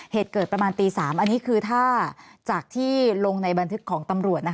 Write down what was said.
เหตุเกิดประมาณตี๓อันนี้คือถ้าจากที่ลงในบันทึกของตำรวจ